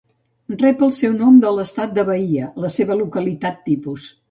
Rep el seu nom de l'estat de Bahia, la seva localitat tipus.